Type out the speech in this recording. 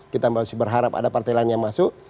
kita masih berharap ada partai lain yang masuk